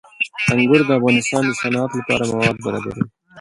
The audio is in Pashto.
انګور د افغانستان د صنعت لپاره مواد برابروي.